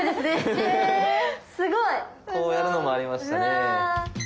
こうやるのもありましたね。